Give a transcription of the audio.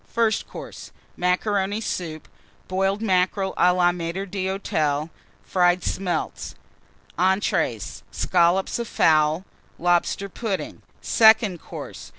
FIRST COURSE. Macaroni Soup. Boiled Mackerel à la Maitre d'Hôtel. Fried Smelts. ENTREES. Scollops of Fowl. Lobster Pudding. SECOND COURSE.